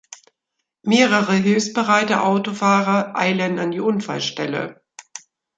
Mehrere hilfsbereite Autofahrer eilen an die Unfallstelle.